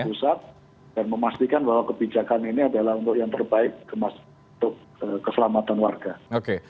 dan memastikan bahwa kebijakan ini adalah untuk yang terbaik untuk keselamatan warga